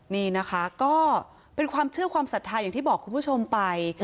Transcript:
นี่นะคะก็เป็นความเชื่อความศรัทธาอย่างที่บอกคุณผู้ชมไป